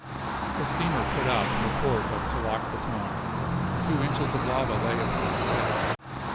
A steamer put out from the port of Telok Betong. Two inches of lava lay upon her deck.